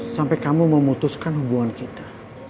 sampai kamu memutuskan hubungan kita